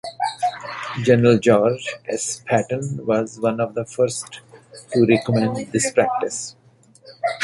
General George S. Patton was one of the first to recommend this practice.